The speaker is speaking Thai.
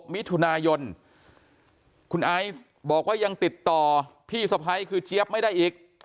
มิถุนายนคุณไอซ์บอกว่ายังติดต่อพี่สะพ้ายคือเจี๊ยบไม่ได้อีก